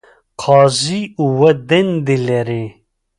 قاضی اووه دندې لري.